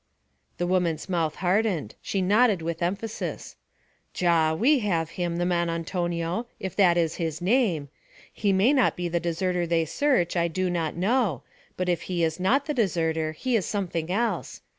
The woman's mouth hardened; she nodded with emphasis. 'Già. We have him, the man Antonio, if that is his name. He may not be the deserter they search I do not know but if he is not the deserter he is something else.